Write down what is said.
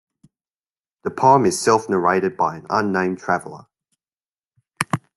The poem is self-narrated by an unnamed traveller.